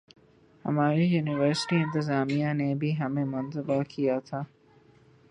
ہماری یونیورسٹی انتظامیہ نے بھی ہمیں متبنہ کیا تھا